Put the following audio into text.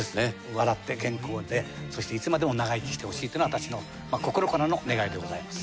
笑って健康でそしていつまでも長生きしてほしいっていうのが私の心からの願いでございます。